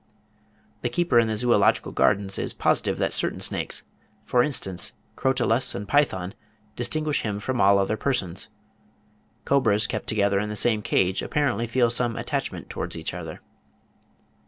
The keeper in the Zoological Gardens is positive that certain snakes, for instance Crotalus and Python, distinguish him from all other persons. Cobras kept together in the same cage apparently feel some attachment towards each other. (61. Dr. Gunther, 'Reptiles of British India,' 1864, p.